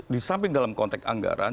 di samping dalam konteks anggaran